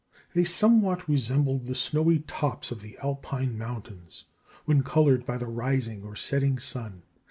They somewhat resembled the snowy tops of the Alpine mountains when coloured by the rising or setting sun.